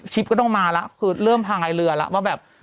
ชิปก็ต้องมาแล้ว